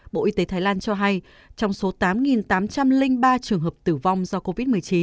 bộ y tế thái lan cho hay trong số tám tám trăm linh ba trường hợp tử vong do covid một mươi chín